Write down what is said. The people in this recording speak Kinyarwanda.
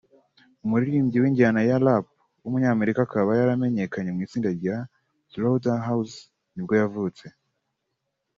umuririmbyi w’injyana ya Rap w’umunyamerika akaba yaramenyekanye mu itsinda rya Slaughterhouse nibwo yavutse